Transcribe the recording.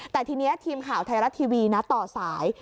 แต่ทีนี้ทีมข่าวไทยรัฐทีวีนะต่อสาย